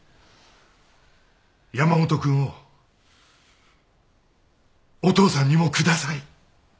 山本君をお父さんにも下さい。